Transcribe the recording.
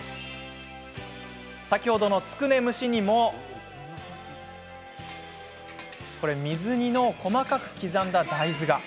先ほどのつくね蒸しにも水煮の細かく刻んだ大豆が。